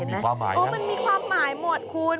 มีความหมายมันมีความหมายหมดคุณ